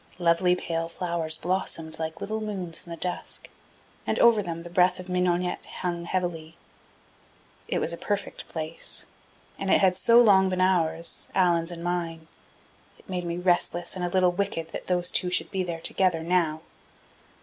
Lovely pale flowers blossomed like little moons in the dusk, and over them the breath of mignonette hung heavily. It was a perfect place and it had so long been ours, Allan's and mine. It made me restless and a little wicked that those two should be there together now.